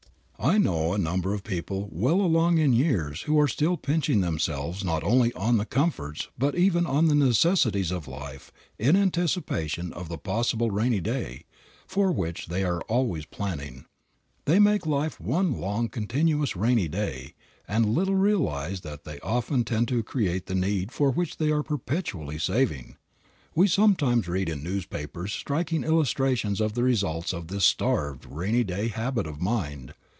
I know a number of people well along in years who are still pinching themselves not only on the comforts but even on the necessities of life in anticipation of the possible rainy day, for which they are always planning. They make life one long continuous rainy day, and little realize that they often tend to create the need for which they are perpetually saving. We sometimes read in newspapers striking illustrations of the results of this starved, rainy day habit of mind.